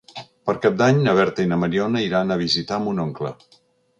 Per Cap d'Any na Berta i na Mariona iran a visitar mon oncle.